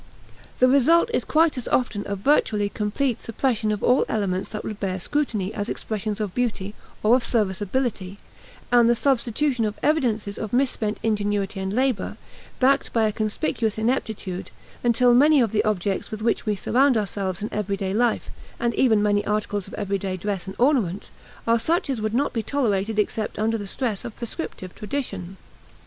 The result is quite as often a virtually complete suppression of all elements that would bear scrutiny as expressions of beauty, or of serviceability, and the substitution of evidences of misspent ingenuity and labor, backed by a conspicuous ineptitude; until many of the objects with which we surround ourselves in everyday life, and even many articles of everyday dress and ornament, are such as would not be tolerated except under the stress of prescriptive tradition.